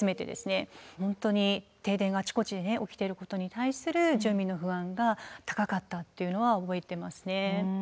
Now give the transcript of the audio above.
本当に停電があちこちでね起きていることに対する住民の不安が高かったっていうのは覚えてますね。